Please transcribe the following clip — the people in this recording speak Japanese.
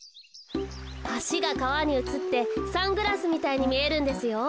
はしがかわにうつってサングラスみたいにみえるんですよ。